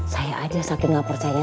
saya aja saking gak percaya